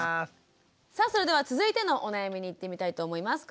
さあそれでは続いてのお悩みにいってみたいと思います。